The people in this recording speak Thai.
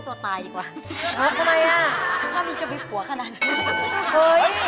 เฮ่ยเจ๊